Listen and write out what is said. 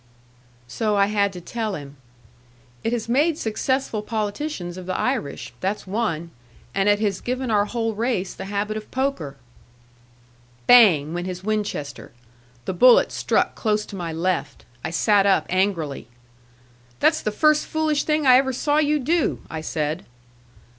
So I had to tell him. "It has made successful politicians of the Irish. That's one. And it has given our whole race the habit of poker." Bang went his Winchester. The bullet struck close to my left. I sat up angrily. "That's the first foolish thing I ever saw you do!" I said.